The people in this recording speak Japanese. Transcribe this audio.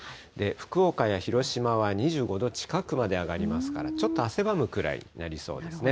福岡や広島は２５度近くまで上がりますから、ちょっと汗ばむくらいになりそうです。